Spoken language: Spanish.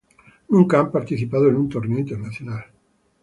Nunca han participado en un torneo internacional.